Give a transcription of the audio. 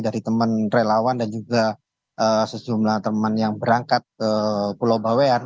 dari teman relawan dan juga sejumlah teman yang berangkat ke pulau bawean